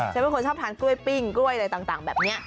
สำหรับคนที่ชอบทานกล้วยปิ้งกล้วยอะไรต่างแบบนี้